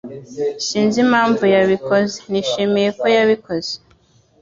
Sinzi impamvu yabikoze. Nishimiye ko yabikoze.